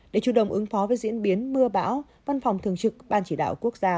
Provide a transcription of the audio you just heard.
để chủ động ứng phó với diễn biến mưa bão văn phòng thường trực ban chỉ đạo quốc gia